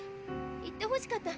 言ってほしかった。